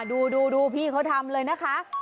ดูพี่เค้าทำเลยนะครับ